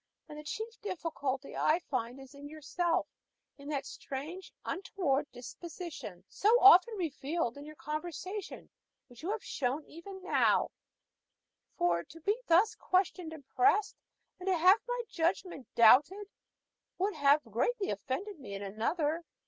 And the chief difficulty I find is in yourself in that strange, untoward disposition so often revealed in your conversation, which you have shown even now; for to be thus questioned and pressed, and to have my judgment doubted, would have greatly offended me in another.